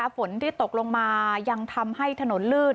ฝนที่ตกลงมายังทำให้ถนนลื่น